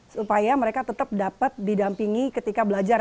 supaya mereka tetap dapat didampingi ketika belajar